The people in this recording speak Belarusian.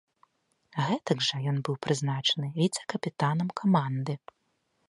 Гэтак жа ён быў прызначаны віцэ-капітанам каманды.